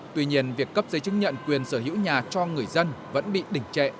tuy nhiên việc cấp giấy chứng nhận quyền sở hữu nhà cho người dân vẫn bị đỉnh trệ